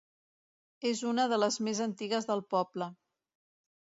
És una de les més antigues del poble.